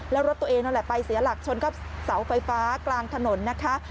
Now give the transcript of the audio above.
แล้วรถตัวเองนั่นแหละไปเสียหลักชนกับเสาไฟฟ้ากลางถนนนะคะ